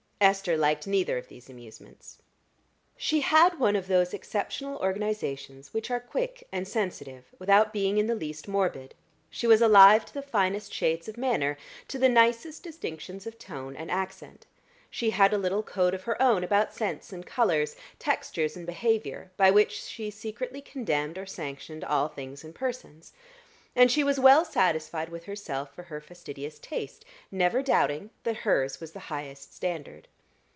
Esther liked neither of these amusements. She had one of those exceptional organizations which are quick and sensitive without being in the least morbid; she was alive to the finest shades of manner, to the nicest distinctions of tone and accent; she had a little code of her own about scents and colors, textures and behavior, by which she secretly condemned or sanctioned all things and persons. And she was well satisfied with herself for her fastidious taste, never doubting that hers was the highest standard.